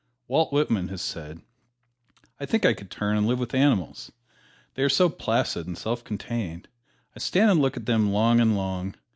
Walt Whitman has said: I think I could turn and live with animals, they are so placid and self contained, I stand and look at them long and long.